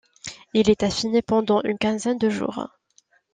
Il est affiné pendant une quinzaine de jours.